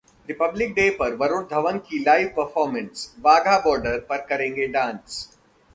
'Republic Day' पर वरुण धवन की live performance, Wagah border पर करेंगे डांस